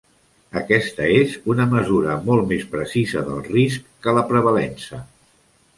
Aquesta és una mesura molt més precisa del risc que la prevalença.